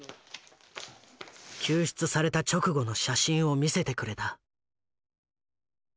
救出された直後の写真を見せてくれた。